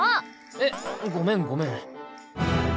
えっごめんごめん。